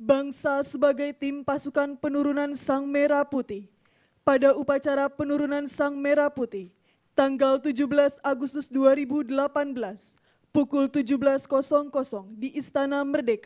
bangsa sebagai tim pasukan penurunan sang merah putih pada upacara penurunan sang merah putih tanggal tujuh belas agustus dua ribu delapan belas pukul tujuh belas di istana merdeka